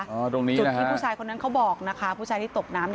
ตรงนี้จุดที่ผู้ชายคนนั้นเขาบอกนะคะผู้ชายที่ตกน้ำ